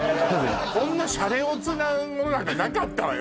こんなシャレオツなものなんかなかったわよ